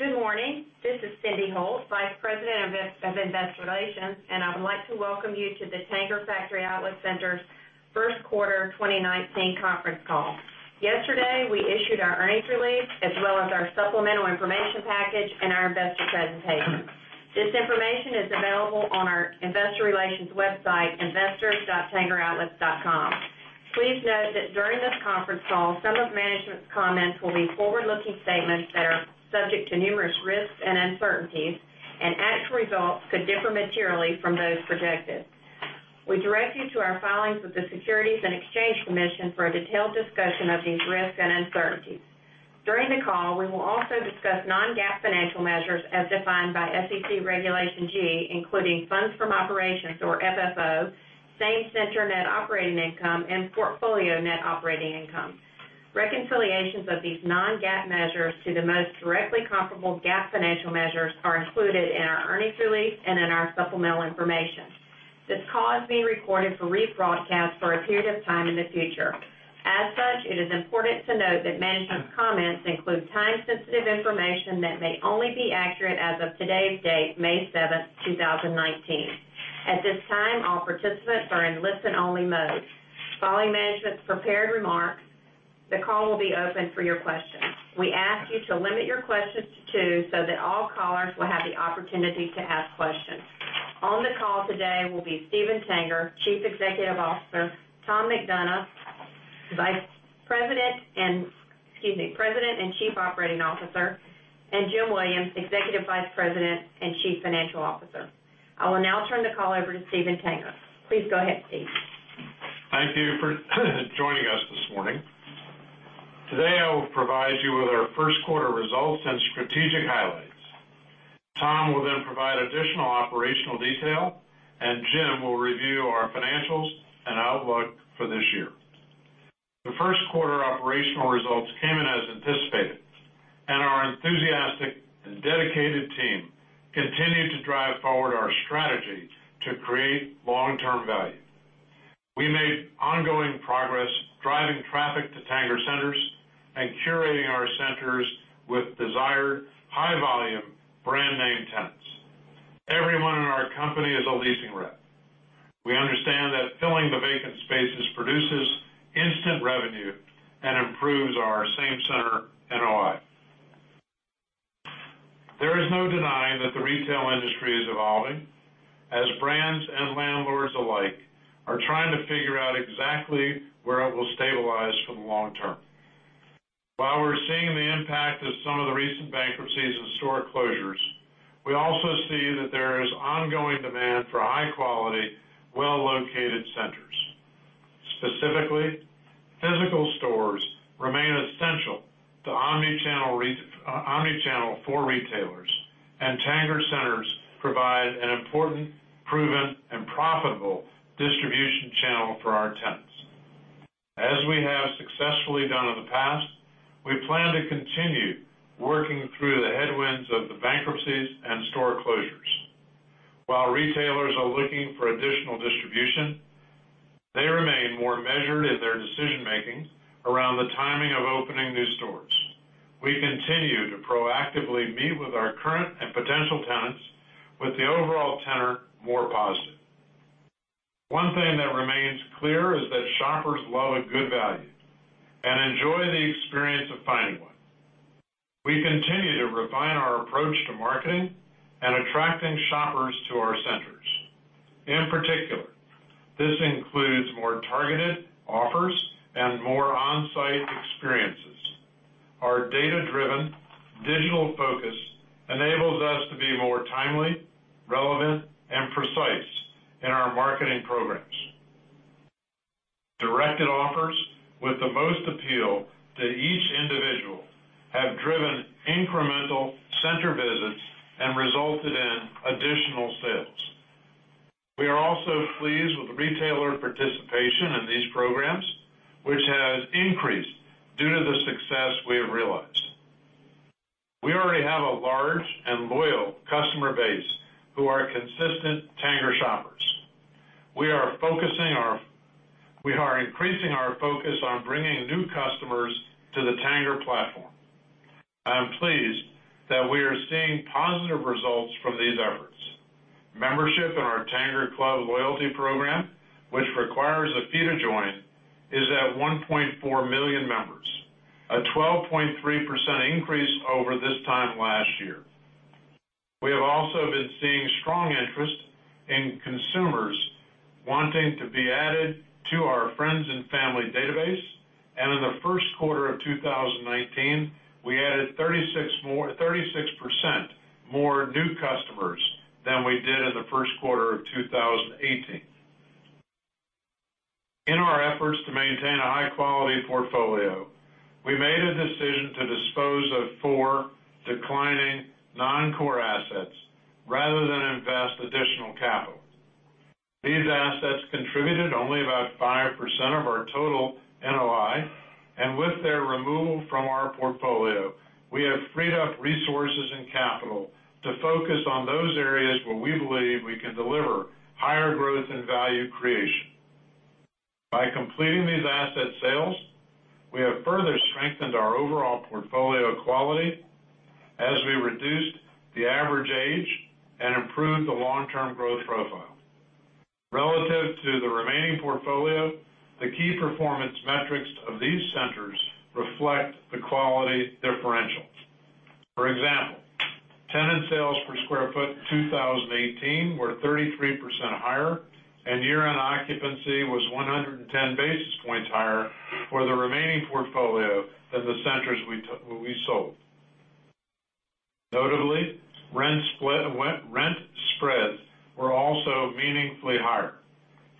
Good morning. This is Cyndi Holt, Vice President of Investor Relations, and I would like to welcome you to the Tanger Factory Outlet Centers' first quarter 2019 conference call. Yesterday, we issued our earnings release as well as our supplemental information package and our investor presentation. This information is available on our investor relations website, investors.tangeroutlets.com. Please note that during this conference call, some of management's comments will be forward-looking statements that are subject to numerous risks and uncertainties, and actual results could differ materially from those projected. We direct you to our filings with the Securities and Exchange Commission for a detailed discussion of these risks and uncertainties. During the call, we will also discuss non-GAAP financial measures as defined by SEC Regulation G, including funds from operations, or FFO, same-center net operating income, and portfolio net operating income. Reconciliations of these non-GAAP measures to the most directly comparable GAAP financial measures are included in our earnings release and in our supplemental information. This call is being recorded for rebroadcast for a period of time in the future. As such, it is important to note that management's comments include time-sensitive information that may only be accurate as of today's date, May 7, 2019. At this time, all participants are in listen-only mode. Following management's prepared remarks, the call will be open for your questions. We ask you to limit your questions to two so that all callers will have the opportunity to ask questions. On the call today will be Steven Tanger, Chief Executive Officer, Tom McDonough, President and Chief Operating Officer, and Jim Williams, Executive Vice President and Chief Financial Officer. I will now turn the call over to Steven Tanger. Please go ahead, Steve. Thank you for joining us this morning. Today, I will provide you with our first quarter results and strategic highlights. Tom will then provide additional operational detail, and Jim will review our financials and outlook for this year. The first quarter operational results came in as anticipated, and our enthusiastic and dedicated team continued to drive forward our strategy to create long-term value. We made ongoing progress driving traffic to Tanger Centers and curating our centers with desired high-volume brand name tenants. Everyone in our company is a leasing rep. We understand that filling the vacant spaces produces instant revenue and improves our same-center NOI. There is no denying that the retail industry is evolving as brands and landlords alike are trying to figure out exactly where it will stabilize for the long term. While we're seeing the impact of some of the recent bankruptcies and store closures, we also see that there is ongoing demand for high-quality, well-located centers. Specifically, physical stores remain essential to omnichannel for retailers, and Tanger Centers provide an important, proven, and profitable distribution channel for our tenants. As we have successfully done in the past, we plan to continue working through the headwinds of the bankruptcies and store closures. While retailers are looking for additional distribution, they remain more measured in their decision-making around the timing of opening new stores. We continue to proactively meet with our current and potential tenants, with the overall tenor more positive. One thing that remains clear is that shoppers love a good value and enjoy the experience of finding one. We continue to refine our approach to marketing and attracting shoppers to our centers. In particular, this includes more targeted offers and more on-site experiences. Our data-driven digital focus enables us to be more timely, relevant, and precise in our marketing programs. Directed offers with the most appeal to each individual have driven incremental center visits and resulted in additional sales. We are also pleased with the retailer participation in these programs, which has increased due to the success we have realized. We already have a large and loyal customer base who are consistent Tanger shoppers. We are increasing our focus on bringing new customers to the Tanger platform. I am pleased that we are seeing positive results from these efforts. Membership in our TangerClub loyalty program, which requires a fee to join, is at 1.4 million members, a 12.3% increase over this time last year. We have also been seeing strong interest in consumers wanting to be added to our friends and family database. In the first quarter of 2019, we added 36% more new customers than we did in the first quarter of 2018. In our efforts to maintain a high-quality portfolio, we made a decision to dispose of four declining non-core assets rather than invest additional capital. These assets contributed only about 5% of our total NOI, and with their removal from our portfolio, we have freed up resources and capital to focus on those areas where we believe we can deliver higher growth and value creation. By completing these asset sales, we have further strengthened our overall portfolio quality as we reduced the average age and improved the long-term growth profile. Relative to the remaining portfolio, the key performance metrics of these centers reflect the quality differential. For example, tenant sales per square foot in 2018 were 33% higher, and year-end occupancy was 110 basis points higher for the remaining portfolio than the centers we sold. Notably, rent spreads were also meaningfully higher.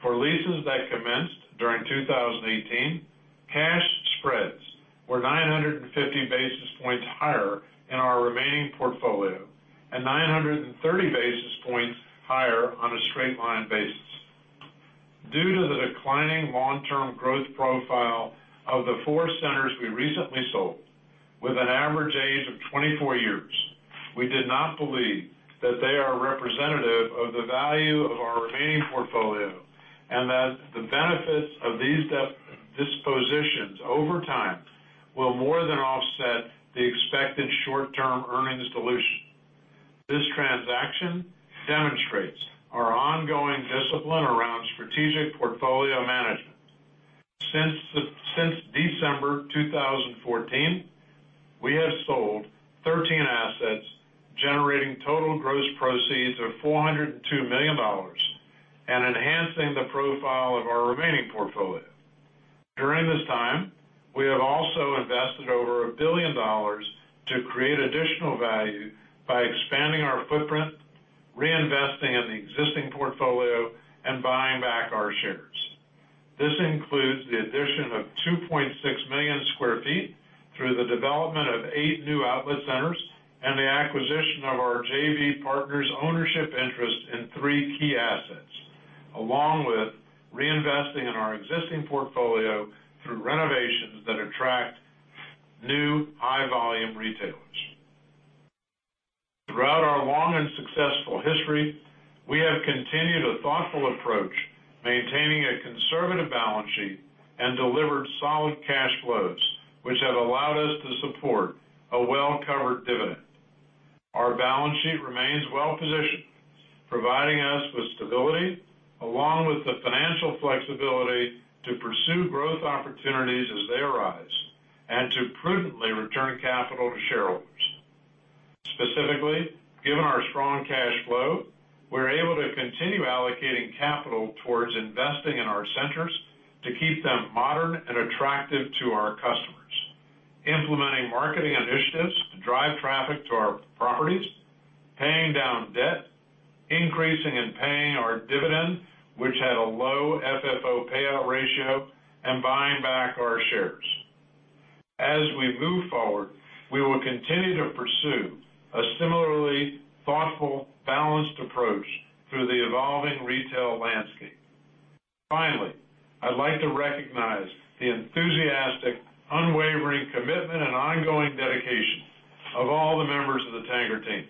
For leases that commenced during 2018, cash spreads were 950 basis points higher in our remaining portfolio, and 930 basis points higher on a straight line basis. Due to the declining long-term growth profile of the four centers we recently sold, with an average age of 24 years, we did not believe that they are representative of the value of our remaining portfolio, and that the benefits of these dispositions over time will more than offset the expected short-term earnings dilution. This transaction demonstrates our ongoing discipline around strategic portfolio management. Since December 2014, we have sold 13 assets, generating total gross proceeds of $402 million, and enhancing the profile of our remaining portfolio. During this time, we have also invested over $1 billion to create additional value by expanding our footprint, reinvesting in the existing portfolio, and buying back our shares. This includes the addition of 2.6 million sq ft through the development of eight new outlet centers and the acquisition of our JV partner's ownership interest in three key assets, along with reinvesting in our existing portfolio through renovations that attract new high-volume retailers. Throughout our long and successful history, we have continued a thoughtful approach, maintaining a conservative balance sheet, and delivered solid cash flows, which have allowed us to support a well-covered dividend. Our balance sheet remains well-positioned, providing us with stability along with the financial flexibility to pursue growth opportunities as they arise, and to prudently return capital to shareholders. Specifically, given our strong cash flow, we're able to continue allocating capital towards investing in our centers to keep them modern and attractive to our customers, implementing marketing initiatives to drive traffic to our properties, paying down debt, increasing and paying our dividend, which had a low FFO payout ratio, and buying back our shares. As we move forward, we will continue to pursue a similarly thoughtful, balanced approach through the evolving retail landscape. Finally, I'd like to recognize the enthusiastic, unwavering commitment and ongoing dedication of all the members of the Tanger team.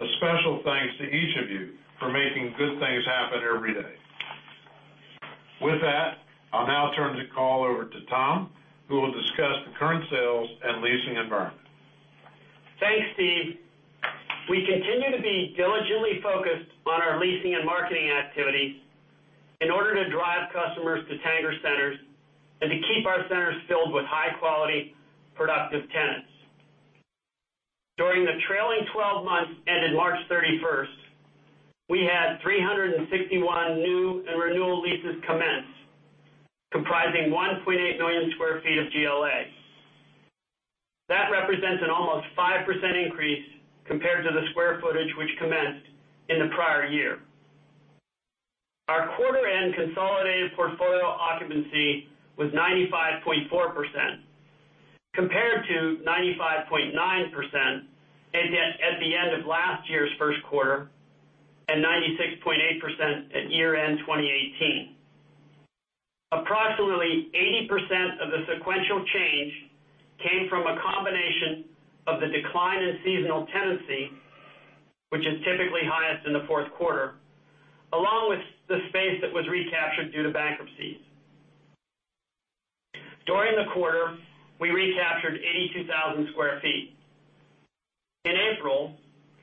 A special thanks to each of you for making good things happen every day. With that, I'll now turn the call over to Tom, who will discuss the current sales and leasing environment. Thanks, Steve. We continue to be diligently focused on our leasing and marketing activities in order to drive customers to Tanger centers and to keep our centers filled with high-quality, productive tenants. During the trailing 12 months ended March 31st, we had 361 new and renewal leases commenced, comprising 1.8 million sq ft of GLA. That represents an almost 5% increase compared to the square footage which commenced in the prior year. Our quarter end consolidated portfolio occupancy was 95.4%, compared to 95.9% at the end of last year's first quarter, and 96.8% at year-end 2018. Approximately 80% of the sequential change came from a combination of the decline in seasonal tenancy, which is typically highest in the fourth quarter, along with the space that was recaptured due to bankruptcies. During the quarter, we recaptured 82,000 sq ft. In April,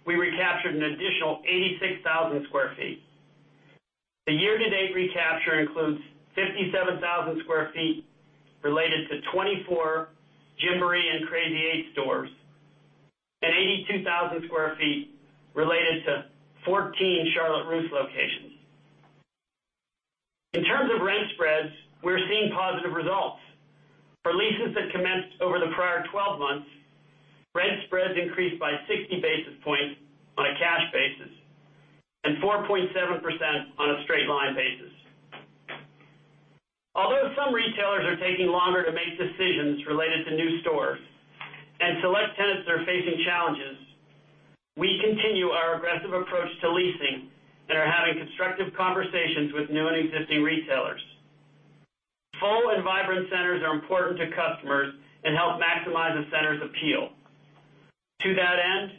we recaptured an additional 86,000 sq ft. The year-to-date recapture includes 57,000 sq ft related to 24 Gymboree and Crazy 8 stores, and 82,000 sq ft related to 14 Charlotte Russe locations. In terms of rent spreads, we're seeing positive results. For leases that commenced over the prior 12 months, rent spreads increased by 60 basis points on a cash basis, and 4.7% on a straight line basis. Although some retailers are taking longer to make decisions related to new stores are facing challenges. We continue our aggressive approach to leasing and are having constructive conversations with new and existing retailers. Full and vibrant centers are important to customers and help maximize a center's appeal. To that end,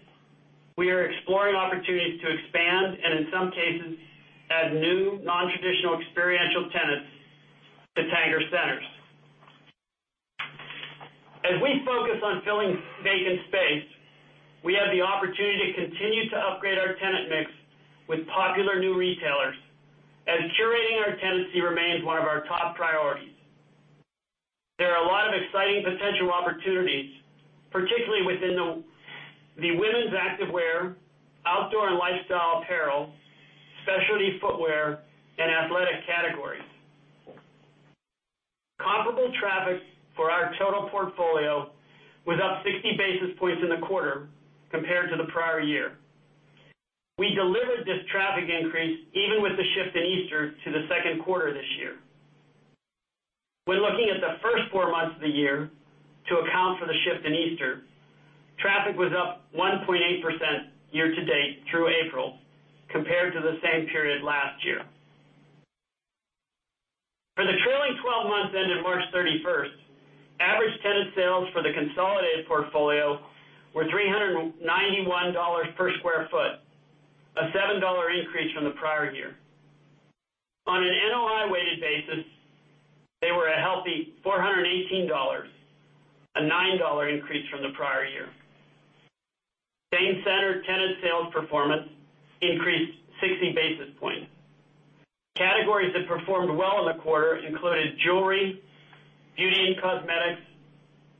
we are exploring opportunities to expand and, in some cases, add new non-traditional experiential tenants to Tanger centers. As we focus on filling vacant space, we have the opportunity to continue to upgrade our tenant mix with popular new retailers, and curating our tenancy remains one of our top priorities. There are a lot of exciting potential opportunities, particularly within the women's active wear, outdoor and lifestyle apparel, specialty footwear, and athletic categories. Comparable traffic for our total portfolio was up 60 basis points in the quarter compared to the prior year. We delivered this traffic increase even with the shift in Easter to the second quarter this year. When looking at the first four months of the year to account for the shift in Easter, traffic was up 1.8% year-to-date through April compared to the same period last year. For the trailing 12 months ended March 31st, average tenant sales for the consolidated portfolio were $391 per sq ft, a $7 increase from the prior year. On an NOI-weighted basis, they were a healthy $418, a $9 increase from the prior year. Same center tenant sales performance increased 60 basis points. Categories that performed well in the quarter included jewelry, beauty and cosmetics,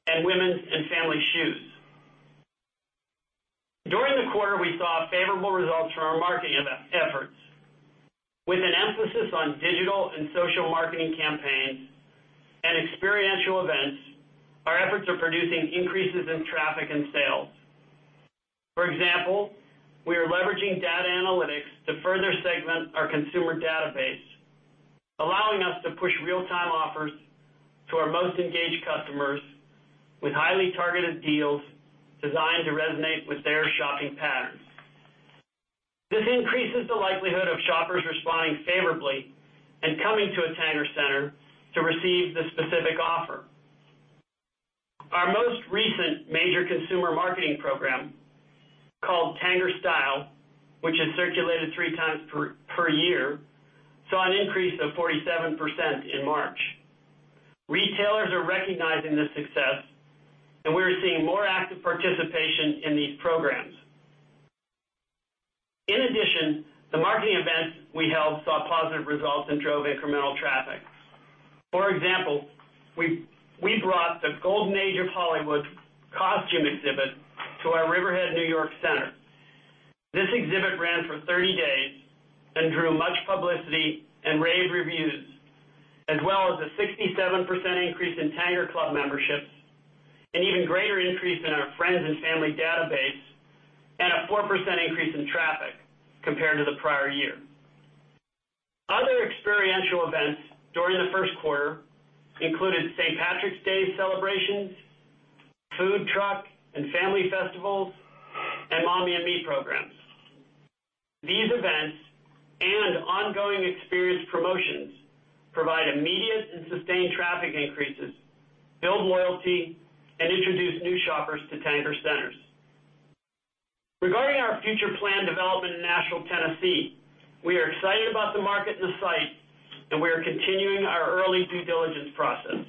and women's and family shoes. During the quarter, we saw favorable results from our marketing efforts. With an emphasis on digital and social marketing campaigns and experiential events, our efforts are producing increases in traffic and sales. For example, we are leveraging data analytics to further segment our consumer database, allowing us to push real-time offers to our most engaged customers with highly targeted deals designed to resonate with their shopping patterns. This increases the likelihood of shoppers responding favorably and coming to a Tanger center to receive the specific offer. Our most recent major consumer marketing program, called Tanger Style, which is circulated three times per year, saw an increase of 47% in March. Retailers are recognizing the success, and we are seeing more active participation in these programs. In addition, the marketing events we held saw positive results and drove incremental traffic. For example, we brought the Golden Age of Hollywood costume exhibit to our Riverhead, New York center. This exhibit ran for 30 days and drew much publicity and rave reviews, as well as a 67% increase in TangerClub memberships, an even greater increase in our friends and family database, and a 4% increase in traffic compared to the prior year. Other experiential events during the first quarter included St. Patrick's Day celebrations, food truck and family festivals, and Mommy and Me programs. These events and ongoing experience promotions provide immediate and sustained traffic increases, build loyalty, and introduce new shoppers to Tanger centers. Regarding our future plan development in Nashville, Tennessee, we are excited about the market and the site, and we are continuing our early due diligence process.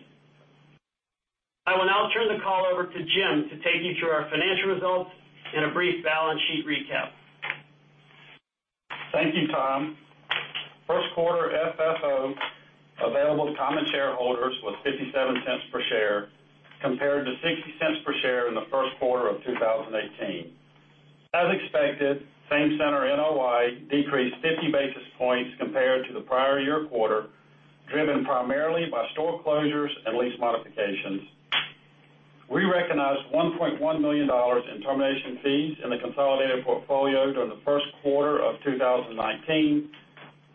I will now turn the call over to Jim to take you through our financial results and a brief balance sheet recap. Thank you, Tom. First quarter FFO available to common shareholders was $0.57 per share compared to $0.60 per share in the first quarter of 2018. As expected, same center NOI decreased 50 basis points compared to the prior year quarter, driven primarily by store closures and lease modifications. We recognized $1.1 million in termination fees in the consolidated portfolio during the first quarter of 2019,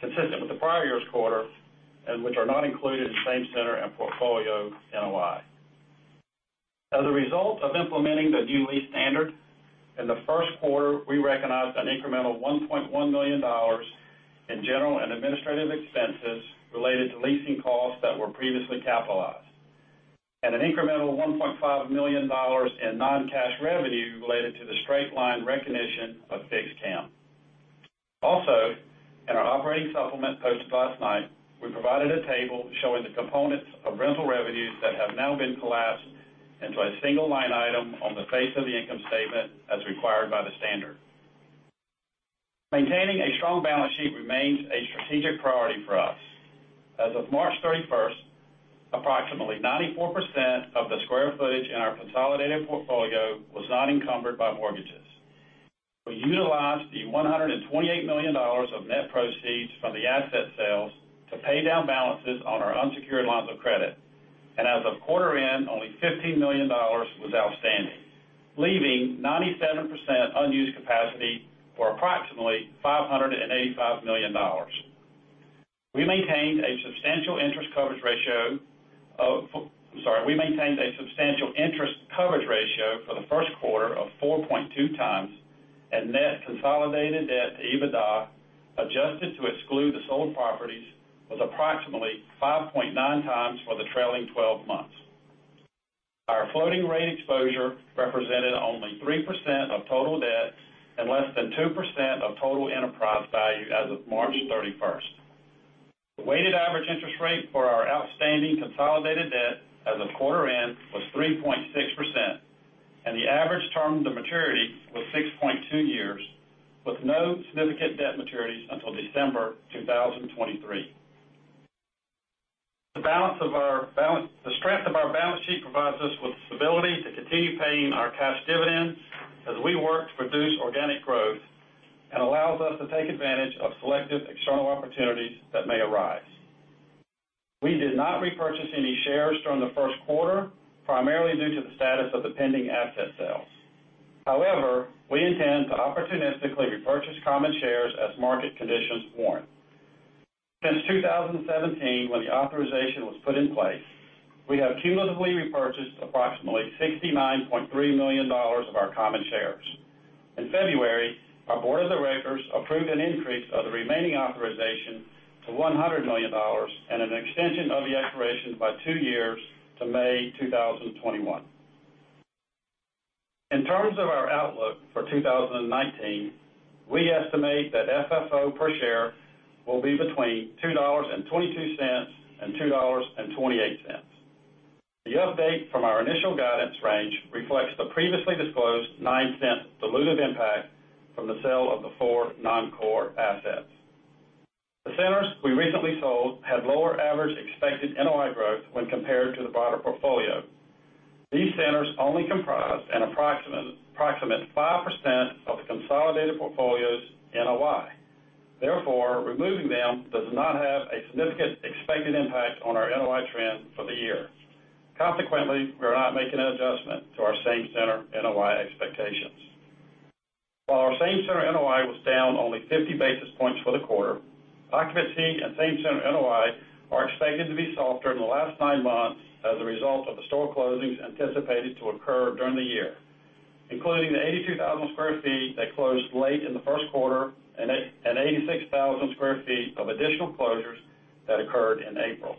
consistent with the prior year's quarter, and which are not included in same center and portfolio NOI. As a result of implementing the new lease standard, in the first quarter, we recognized an incremental $1.1 million in general and administrative expenses related to leasing costs that were previously capitalized, and an incremental $1.5 million in non-cash revenue related to the straight-line recognition of fixed CAM. In our operating supplement posted last night, we provided a table showing the components of rental revenues that have now been collapsed into a single line item on the face of the income statement, as required by the standard. Maintaining a strong balance sheet remains a strategic priority for us. As of March 31st, approximately 94% of the square footage in our consolidated portfolio was not encumbered by mortgages. We utilized the $128 million of net proceeds from the asset sales to pay down balances on our unsecured lines of credit. As of quarter end, only $15 million was outstanding, leaving 97% unused capacity for approximately $585 million. We maintained a substantial interest coverage ratio for the first quarter of 4.2 times, and net consolidated debt to EBITDA, adjusted to exclude the sold properties, was approximately 5.9 times for the trailing 12 months. Our floating rate exposure represented only 3% of total debt and less than 2% of total enterprise value as of March 31st. The weighted average interest rate for our outstanding consolidated debt as of quarter end was 3.6%, and the average term to maturity was 6.2 years, with no significant debt maturities until December 2023. The strength of our balance sheet provides us with stability to continue paying our cash dividends as we work to produce organic growth and allows us to take advantage of selective external opportunities that may arise. We did not repurchase any shares during the first quarter, primarily due to the status of the pending asset sales. However, we intend to opportunistically repurchase common shares as market conditions warrant. Since 2017, when the authorization was put in place, we have cumulatively repurchased approximately $69.3 million of our common shares. In February, our Board of Directors approved an increase of the remaining authorization to $100 million and an extension of the expiration by two years to May 2021. In terms of our outlook for 2019, we estimate that FFO per share will be between $2.22 and $2.28. The update from our initial guidance range reflects the previously disclosed $0.09 dilutive impact from the sale of the four non-core assets. The centers we recently sold had lower average expected NOI growth when compared to the broader portfolio. These centers only comprise an approximate 5% of the consolidated portfolio's NOI. Therefore, removing them does not have a significant expected impact on our NOI trend for the year. Consequently, we are not making an adjustment to our same-center NOI expectations. While our same-center NOI was down only 50 basis points for the quarter, occupancy and same-center NOI are expected to be soft during the last nine months as a result of the store closings anticipated to occur during the year, including the 82,000 square feet that closed late in the first quarter and 86,000 square feet of additional closures that occurred in April.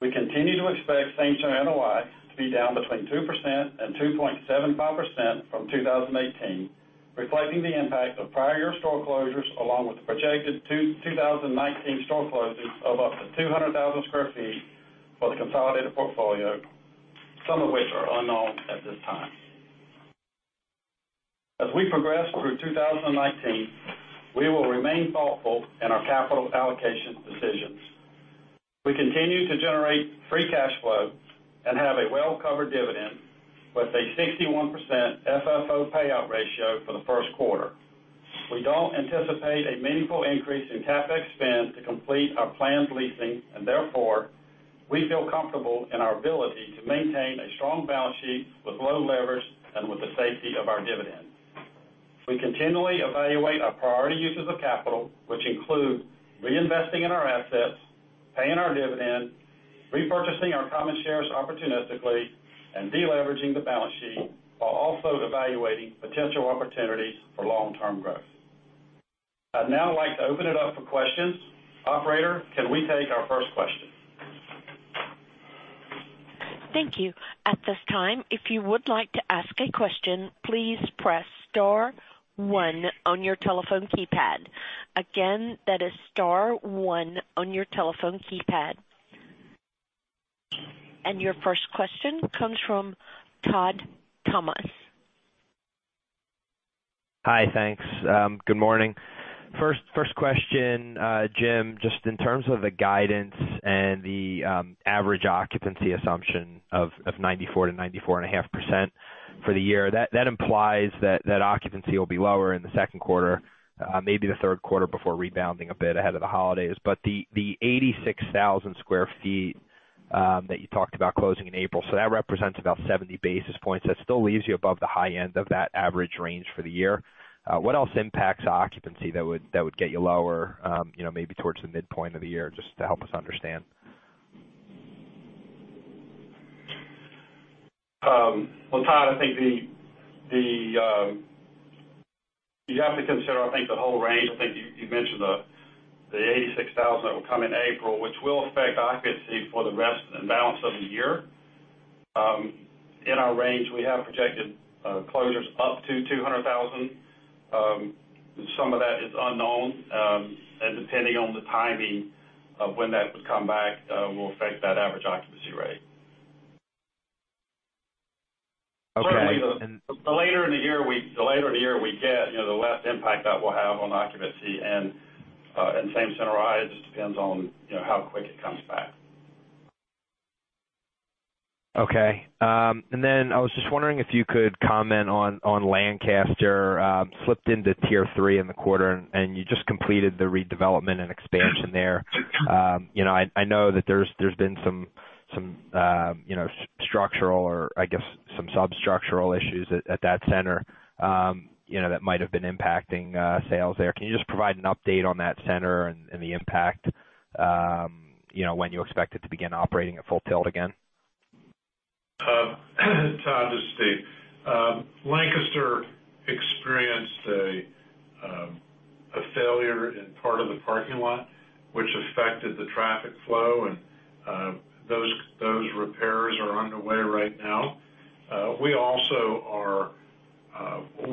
We continue to expect same-center NOI to be down between 2% and 2.75% from 2018, reflecting the impact of prior year store closures, along with the projected 2019 store closures of up to 200,000 square feet for the consolidated portfolio, some of which are unknown at this time. As we progress through 2019, we will remain thoughtful in our capital allocation decisions. We continue to generate free cash flow and have a well-covered dividend with a 61% FFO payout ratio for the first quarter. We don't anticipate a meaningful increase in CapEx spend to complete our planned leasing, therefore, we feel comfortable in our ability to maintain a strong balance sheet with low leverage and with the safety of our dividend. We continually evaluate our priority uses of capital, which include reinvesting in our assets, paying our dividend, repurchasing our common shares opportunistically, and de-leveraging the balance sheet, while also evaluating potential opportunities for long-term growth. I'd now like to open it up for questions. Operator, can we take our first question? Thank you. At this time, if you would like to ask a question, please press star one on your telephone keypad. Again, that is star one on your telephone keypad. Your first question comes from Todd Thomas. Hi. Thanks. Good morning. First question, Jim, just in terms of the guidance and the average occupancy assumption of 94%-94.5% for the year, that implies that occupancy will be lower in the second quarter, maybe the third quarter, before rebounding a bit ahead of the holidays. The 86,000 square feet that you talked about closing in April, so that represents about 70 basis points. That still leaves you above the high end of that average range for the year. What else impacts occupancy that would get you lower maybe towards the midpoint of the year, just to help us understand? Well, Todd, I think you have to consider the whole range. I think you mentioned the 86,000 that will come in April, which will affect occupancy for the rest and balance of the year. In our range, we have projected closures up to 200,000. Some of that is unknown, depending on the timing of when that would come back, will affect that average occupancy rate. Okay. The later in the year we get, the less impact that will have on occupancy and same-center NOI depends on how quick it comes back. Okay. Then I was just wondering if you could comment on Lancaster. Slipped into tier 3 in the quarter, and you just completed the redevelopment and expansion there. I know that there's been some structural or some sub-structural issues at that center that might have been impacting sales there. Can you just provide an update on that center and the impact, when you expect it to begin operating at full tilt again? Todd, this is Steve. Lancaster experienced a failure in part of the parking lot, which affected the traffic flow, and those repairs are underway right now. We also are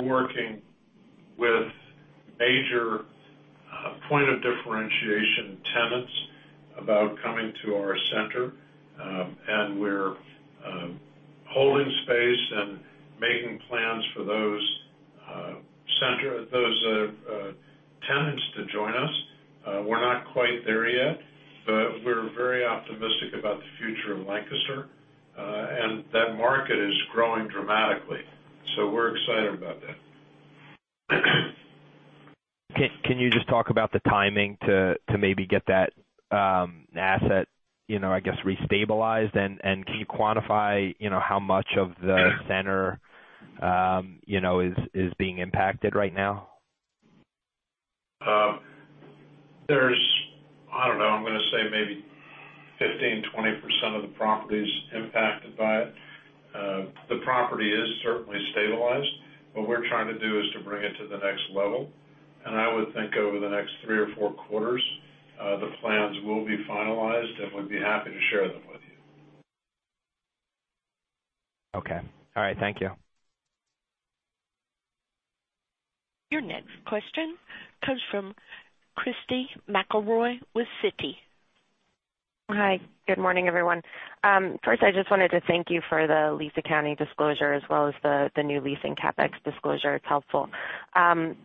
working with major point-of-differentiation tenants about coming to our center, and we're holding space and making plans for those tenants to join us. We're not quite there yet, but we're very optimistic about the future of Lancaster. That market is growing dramatically, so we're excited about that. Can you just talk about the timing to maybe get that asset restabilized, and can you quantify how much of the center is being impacted right now? There's, I don't know, I'm going to say maybe 15%-20% of the property's impacted by it. The property is certainly stabilized. What we're trying to do is to bring it to the next level, and I would think over the next three or four quarters, the plans will be finalized, and we'd be happy to share them with you. Okay. All right. Thank you. Your next question comes from Christy McElroy with Citigroup. Hi. Good morning, everyone. First, I just wanted to thank you for the lease accounting disclosure as well as the new leasing CapEx disclosure. It's helpful.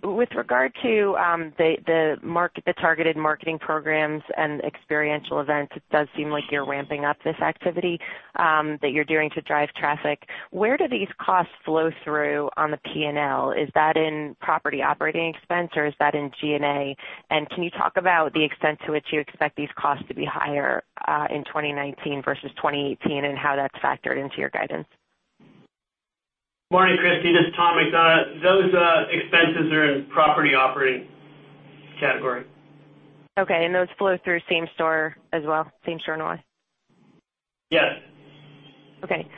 With regard to the targeted marketing programs and experiential events, it does seem like you're ramping up this activity that you're doing to drive traffic. Where do these costs flow through on the P&L? Is that in property operating expense, or is that in G&A? Can you talk about the extent to which you expect these costs to be higher in 2019 versus 2018, and how that's factored into your guidance? Morning, Christy. This is Tom McDonough. Those expenses are in property operating category. Okay, those flow through same store as well, same store NOI? Yes. Okay.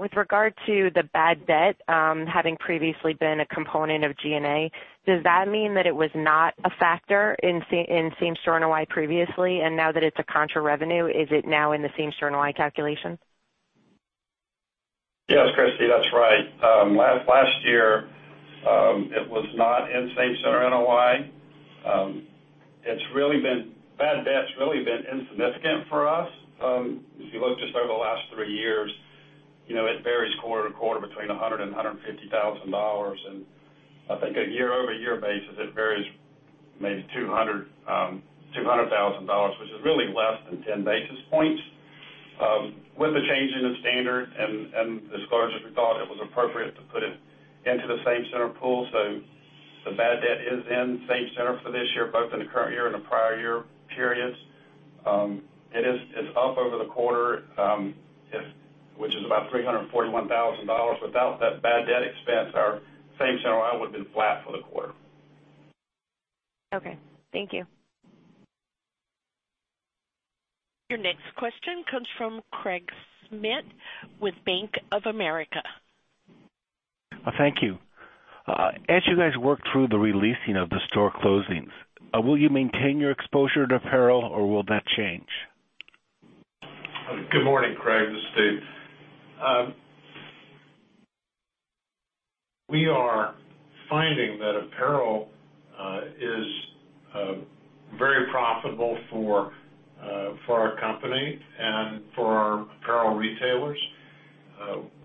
With regard to the bad debt, having previously been a component of G&A, does that mean that it was not a factor in same store NOI previously, and now that it's a contra revenue, is it now in the same store NOI calculation? Yes, Christy, that's right. Last year, it was not in same store NOI. Bad debt's really been insignificant for us. If you look just over the last three years, it varies quarter to quarter between $100,000 and $150,000. I think a year-over-year basis, it varies maybe $200,000, which is really less than 10 basis points. With the change in the standard and disclosure, we thought it was appropriate to put it into the same store pool. The bad debt is in same store for this year, both in the current year and the prior year periods. It's up over the quarter, which is about $341,000. Without that bad debt expense, our same store NOI would've been flat for the quarter. Okay. Thank you. Your next question comes from Craig Schmidt with Bank of America. Thank you. As you guys work through the re-leasing of the store closings, will you maintain your exposure to apparel, or will that change? Good morning, Craig. This is Steve. We are finding that apparel is very profitable for our company and for our apparel retailers.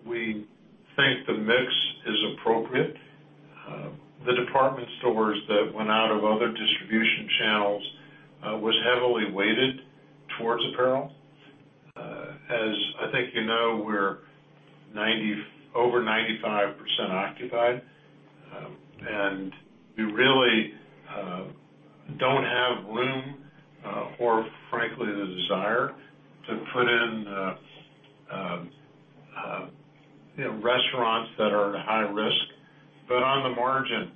We think the mix is appropriate. The department stores that went out of other distribution channels was heavily weighted towards apparel. As I think you know, we're over 95% occupied, and we really don't have room or frankly, the desire to put in restaurants that are high risk. On the margin,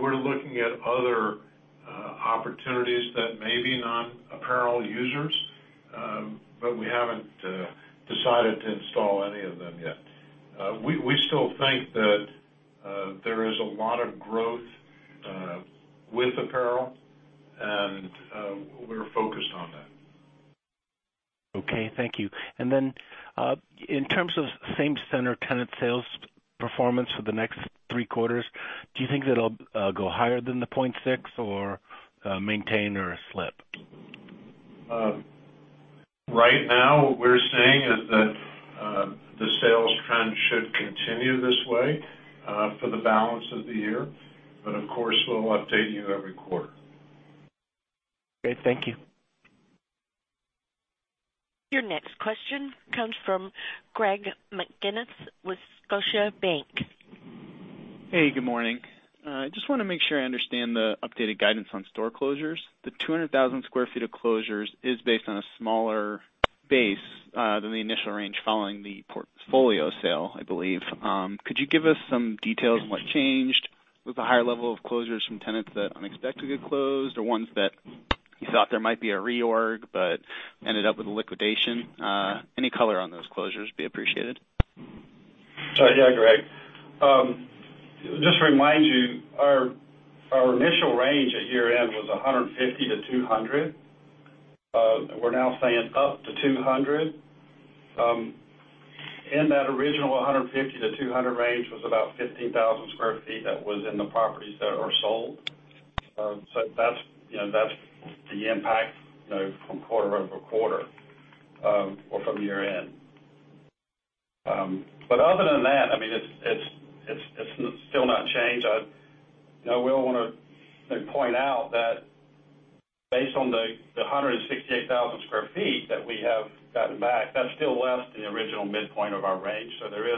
we're looking at other opportunities that may be non-apparel users, but we haven't decided to install any of them yet. We still think that there is a lot of growth with apparel, and we're focused on that. Okay, thank you. Then, in terms of same store tenant sales performance for the next three quarters, do you think it'll go higher than the 0.6 or maintain or slip? Right now, what we're saying is that the sales trend should continue this way for the balance of the year. Of course, we'll update you every quarter. Great. Thank you. Your next question comes from Greg McGinniss with Scotiabank. Hey, good morning. I just want to make sure I understand the updated guidance on store closures. The 200,000 square feet of closures is based on a smaller base than the initial range following the portfolio sale, I believe. Could you give us some details on what changed with the higher level of closures from tenants that unexpectedly closed or ones that you thought there might be a reorg but ended up with a liquidation? Any color on those closures would be appreciated. Sure. Yeah, Greg. Just to remind you, our initial range at year-end was 150 to 200. We're now saying up to 200. In that original 150 to 200 range was about 15,000 square feet that was in the properties that are sold. That's the impact from quarter-over-quarter or from year-end. Other than that, it's still not changed. We all want to point out that based on the 168,000 square feet that we have gotten back, that's still less than the original midpoint of our range. There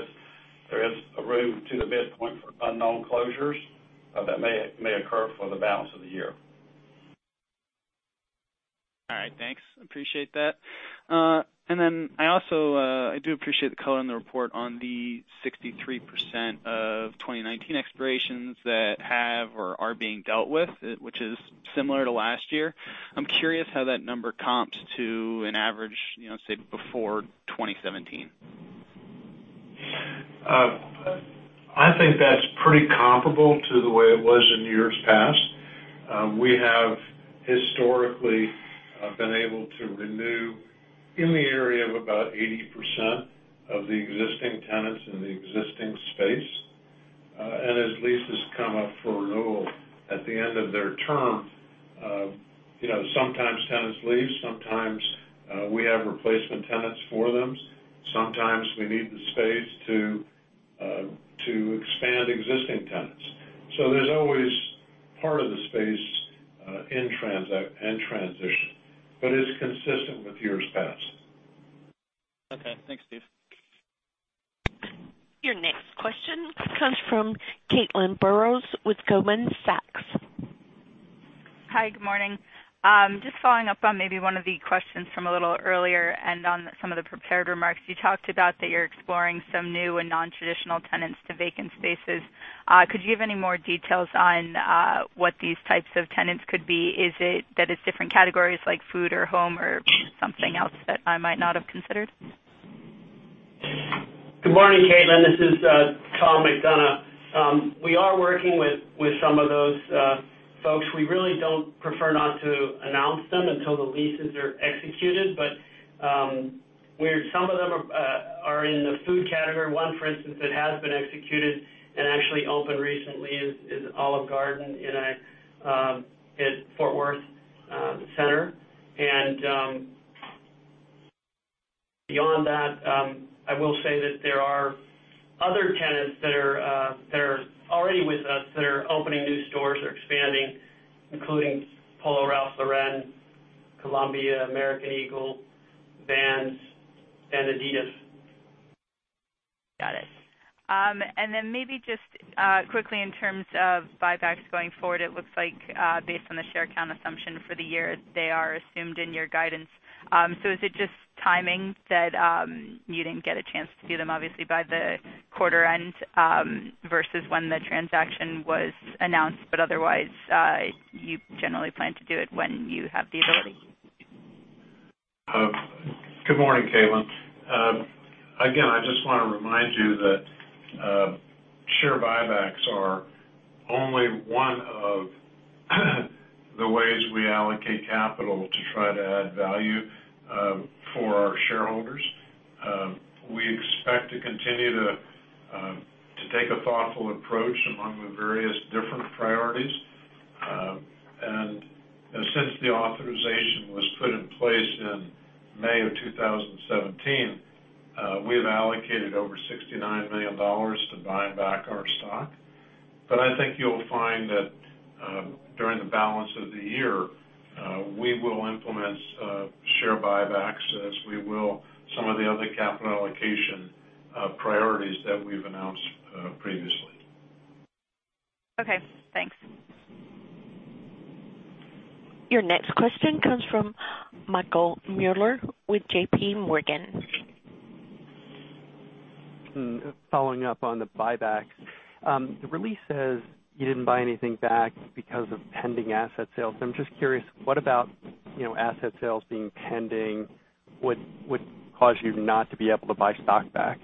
is room to the midpoint for unknown closures that may occur for the balance of the year. All right, thanks. Appreciate that. I also do appreciate the color in the report on the 63% of 2019 expirations that have or are being dealt with, which is similar to last year. I'm curious how that number comps to an average, say, before 2017. I think that's pretty comparable to the way it was in years past. We have historically been able to renew in the area of about 80% of the existing tenants in the existing space. As leases come up for renewal at the end of their term, sometimes tenants leave, sometimes we have replacement tenants for them. Sometimes we need the space to expand existing tenants. There's always part of the space in transition, it's consistent with years past. Okay. Thanks, Steve. Your next question comes from Caitlin Burrows with Goldman Sachs. Hi. Good morning. Just following up on maybe one of the questions from a little earlier and on some of the prepared remarks, you talked about that you're exploring some new and non-traditional tenants to vacant spaces. Could you give any more details on what these types of tenants could be? Is it that it's different categories like food or home or something else that I might not have considered? Good morning, Caitlin. This is Tom McDonough. We are working with some of those folks. We really prefer not to announce them until the leases are executed, but some of them are in the food category. One, for instance, that has been executed and actually opened recently is Olive Garden in Fort Worth Center. Beyond that, I will say that there are other tenants that are already with us that are opening new stores or expanding, including Polo Ralph Lauren, Columbia, American Eagle, Vans, and Adidas. Got it. Then maybe just quickly in terms of buybacks going forward, it looks like based on the share count assumption for the year, they are assumed in your guidance. Is it just timing that you didn't get a chance to do them obviously by the quarter end versus when the transaction was announced, but otherwise, you generally plan to do it when you have the ability? Good morning, Caitlin. Again, I just want to remind you that share buybacks are only one of the ways we allocate capital to try to add value for our shareholders. We expect to continue to take a thoughtful approach among the various different priorities. Since the authorization was put in place in May of 2017, we have allocated over $69 million to buying back our stock. I think you'll find that during the balance of the year, we will implement share buybacks as we will some of the other capital allocation priorities that we've announced previously. Okay, thanks. Your next question comes from Michael Mueller with J.P. Morgan. Following up on the buybacks. The release says you didn't buy anything back because of pending asset sales. I'm just curious, what about asset sales being pending would cause you not to be able to buy stock back?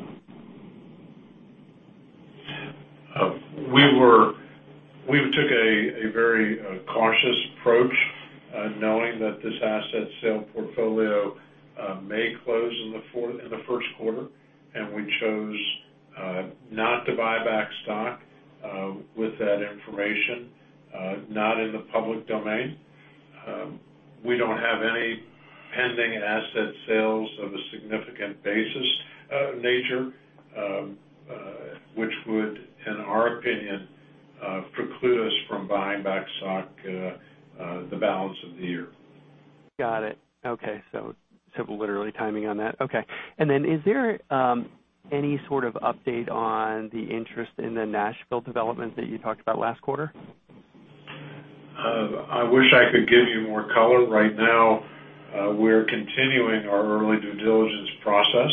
We took a very cautious approach, knowing that this asset sale portfolio may close in the first quarter. We chose not to buy back stock with that information not in the public domain. We don't have any pending asset sales of a significant basis nature, which would, in our opinion, preclude us from buying back stock the balance of the year. Got it. Okay, simple, literally timing on that. Okay. Is there any sort of update on the interest in the Nashville development that you talked about last quarter? I wish I could give you more color. Right now, we're continuing our early due diligence process.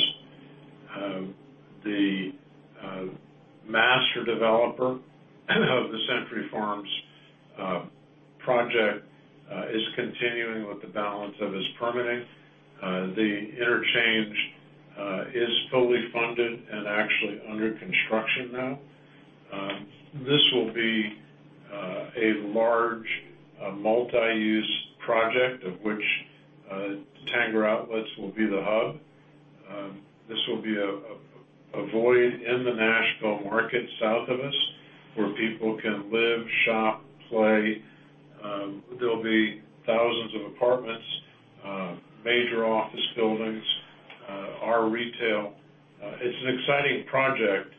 The master developer of the Century Farms project is continuing with the balance of his permitting. The interchange is fully funded and actually under construction now. This will be a large multi-use project, of which Tanger Outlets will be the hub. This will be a void in the Nashville market south of us, where people can live, shop, play. There'll be thousands of apartments, major office buildings, our retail. It's an exciting project.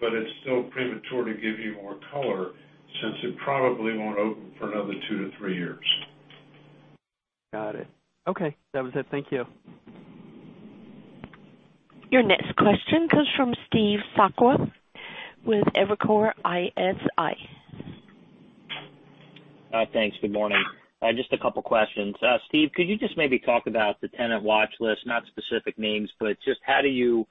It's still premature to give you more color since it probably won't open for another two to three years. Got it. Okay, that was it. Thank you. Your next question comes from Steve Sakwa with Evercore ISI. Thanks. Good morning. Just a couple questions. Steve, could you just maybe talk about the tenant watch list, not specific names, but just how do you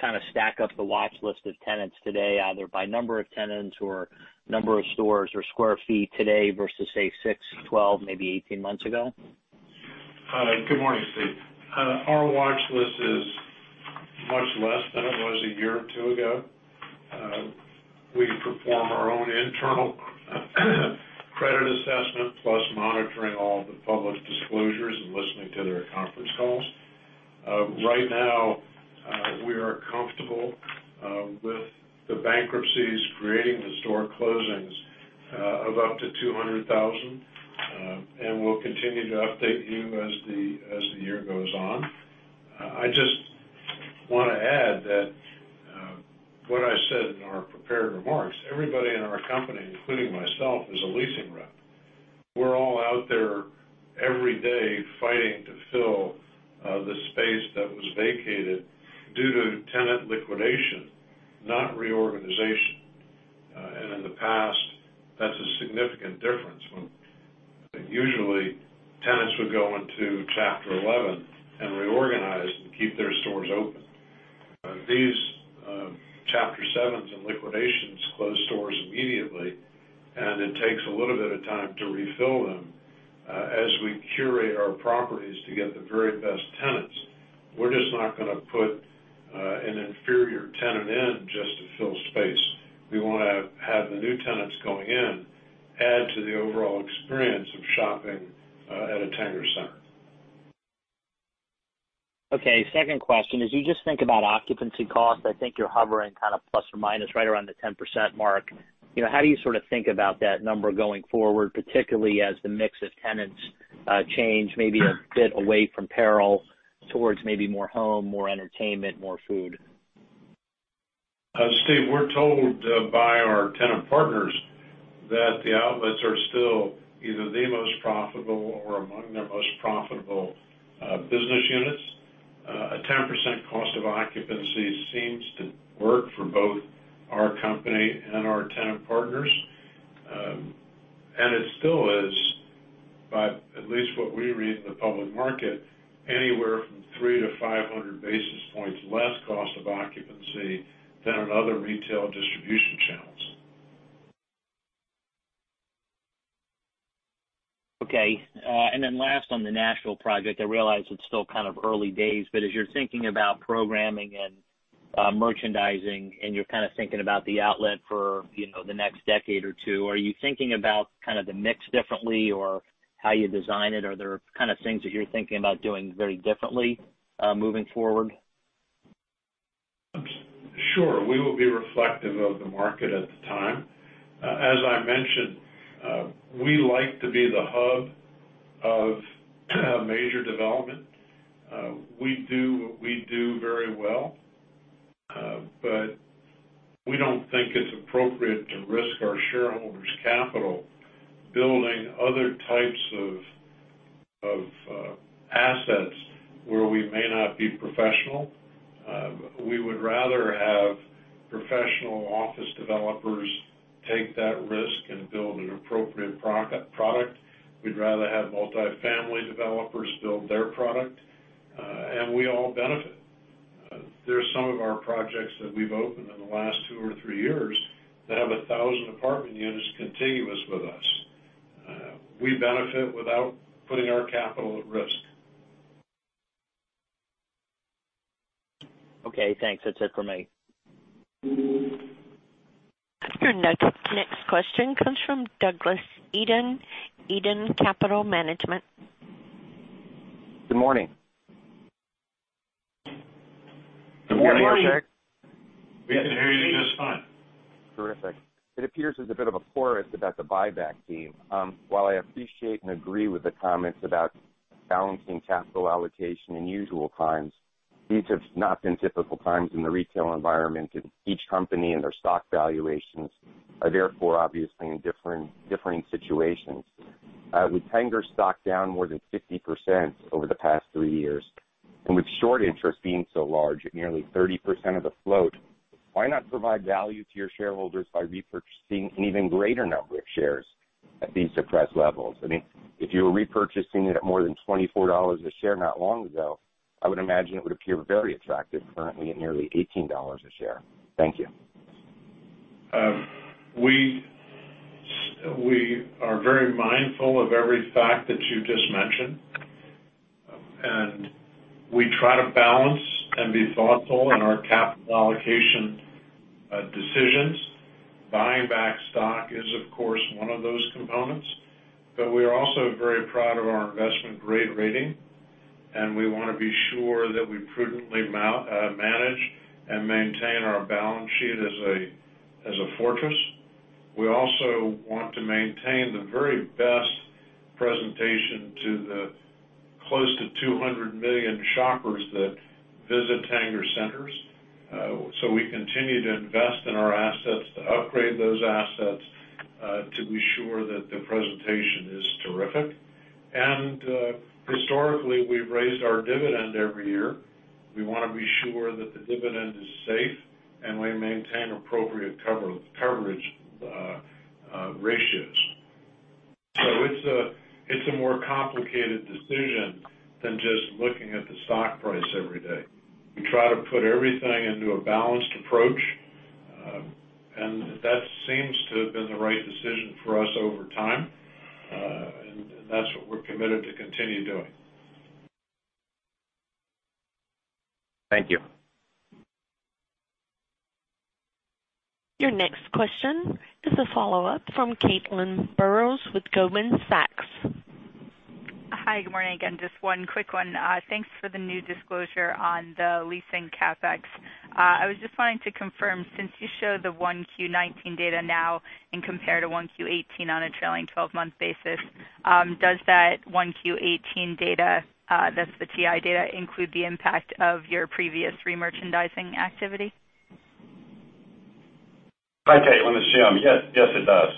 kind of stack up the watch list of tenants today, either by number of tenants or number of stores or square feet today versus, say, six, 12, maybe 18 months ago? Good morning, Steve. Our watch list is much less than it was a year or two ago. We perform our own internal credit assessment plus monitoring all the public disclosures and listening to their conference calls. Right now, we are comfortable with the bankruptcies creating the store closings of up to 200,000. We'll continue to update you as the year goes on. I just want to add that what I said in our prepared remarks, everybody in our company, including myself, is a leasing rep. We're all out there every day fighting to fill the space that was vacated due to tenant liquidation, not reorganization. In the past, that's a significant difference. When usually tenants would go into Chapter 11 and reorganize and keep their stores open. These Chapter 7s and liquidations close stores immediately, it takes a little bit of time to refill them, as we curate our properties to get the very best tenants. We're just not going to put an inferior tenant in just to fill space. We want to have the new tenants going in add to the overall experience of shopping at a Tanger center. Okay. Second question is, you just think about occupancy cost. I think you're hovering kind of plus or minus right around the 10% mark. How do you sort of think about that number going forward, particularly as the mix of tenants change maybe a bit away from apparel towards maybe more home, more entertainment, more food? Steve, we're told by our tenant partners that the outlets are still either the most profitable or among their most profitable business units. A 10% cost of occupancy seems to work for both our company and our tenant partners. It still is, by at least what we read in the public market, anywhere from 3 to 500 basis points less cost of occupancy than in other retail distribution channels. Okay. Last on the Nashville project, I realize it's still kind of early days, but as you're thinking about programming and merchandising and you're kind of thinking about the outlet for the next decade or two, are you thinking about kind of the mix differently or how you design it? Are there kind of things that you're thinking about doing very differently moving forward? Sure. We will be reflective of the market at the time. As I mentioned, we like to be the hub of major development. We do what we do very well, but we don't think it's appropriate to risk our shareholders' capital building other types of assets where we may not be professional. We would rather have professional office developers take that risk and build an appropriate product. We'd rather have multifamily developers build their product. We all benefit. There's some of our projects that we've opened in the last two or three years that have 1,000 apartment units contiguous with us. We benefit without putting our capital at risk. Okay, thanks. That's it for me. Your next question comes from Douglas Eden Capital Management. Good morning. Good morning. Can you hear me, sir? We can hear you just fine. Terrific. It appears there's a bit of a chorus about the buyback theme. While I appreciate and agree with the comments about balancing capital allocation in usual times, these have not been typical times in the retail environment, and each company and their stock valuations are therefore obviously in differing situations. With Tanger stock down more than 50% over the past three years, and with short interest being so large at nearly 30% of the float, why not provide value to your shareholders by repurchasing an even greater number of shares at these suppressed levels? If you were repurchasing it at more than $24 a share not long ago, I would imagine it would appear very attractive currently at nearly $18 a share. Thank you. We are very mindful of every fact that you just mentioned, we try to balance and be thoughtful in our capital allocation decisions. Buying back stock is, of course, one of those components, we are also very proud of our investment-grade rating, and we want to be sure that we prudently manage and maintain our balance sheet as a fortress. We also want to maintain the very best presentation to the close to 200 million shoppers that visit Tanger centers. We continue to invest in our assets, to upgrade those assets, to be sure that the presentation is terrific. Historically, we've raised our dividend every year. We want to be sure that the dividend is safe, and we maintain appropriate coverage ratios. It's a more complicated decision than just looking at the stock price every day. We try to put everything into a balanced approach, that seems to have been the right decision for us over time. That's what we're committed to continue doing. Thank you. Your next question is a follow-up from Caitlin Burrows with Goldman Sachs. Hi. Good morning again. Just one quick one. Thanks for the new disclosure on the leasing CapEx. I was just wanting to confirm, since you show the 1Q19 data now and compare to 1Q18 on a trailing 12-month basis, does that 1Q18 data, that's the TI data, include the impact of your previous re-merchandising activity? Hi, Caitlin. It's Jim. Yes, it does.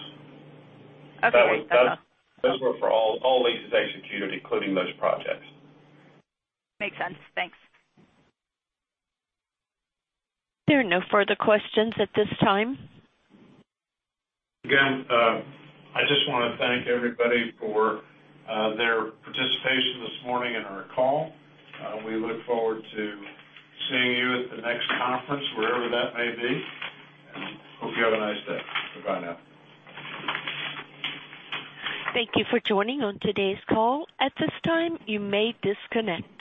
Okay. Those were for all leases executed, including those projects. Makes sense. Thanks. There are no further questions at this time. Again, I just want to thank everybody for their participation this morning in our call. We look forward to seeing you at the next conference, wherever that may be, and hope you have a nice day. Bye now. Thank you for joining on today's call. At this time, you may disconnect.